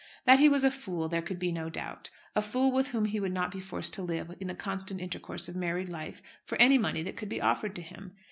That he was a fool there could be no doubt, a fool with whom he would not be forced to live in the constant intercourse of married life for any money that could be offered to him.